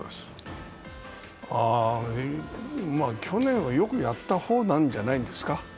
去年はよくやった方なんじゃないですか。